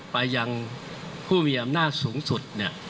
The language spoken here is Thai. ไปยังผู้มีอำนาจสูงสุด